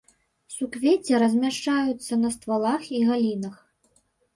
Суквецці размяшчаюцца на ствалах і галінах.